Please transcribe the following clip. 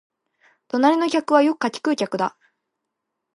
隣の客はよく柿喰う客だ